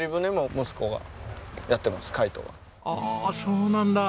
ああそうなんだ。